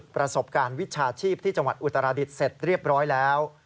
ประสบการณ์วิชาชีพที่จังหวัดอุตราดิษฐ์เสร็จเรียบร้อยแล้ว